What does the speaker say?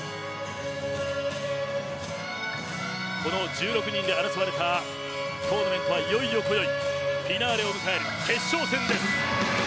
この１６人で争われたトーナメントは、いよいよこよいフィナーレを迎える決勝戦です。